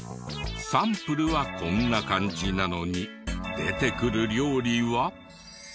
サンプルはこんな感じなのに出てくる料理は。